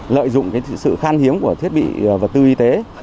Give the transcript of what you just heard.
lợi dụng sự khan hiếm của thiết bị vật tư y tế